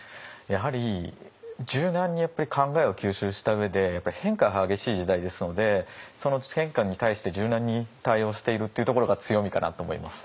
やはり柔軟に考えを吸収した上で変化が激しい時代ですのでその変化に対して柔軟に対応しているっていうところが強みかなと思います。